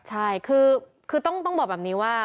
ใช่คือต้องบอกแบบนี้ว่า